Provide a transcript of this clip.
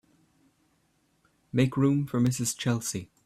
Make room for Mrs. Chelsea.